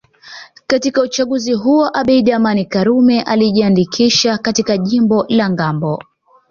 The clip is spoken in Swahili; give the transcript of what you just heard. Katika uchaguzi huo Abeid Amani Karume alijiandikisha katika jimbo la Ngambo